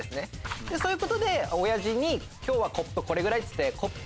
そういうことで親父に「今日コップこれぐらい」って。